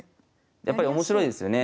やっぱり面白いですよね。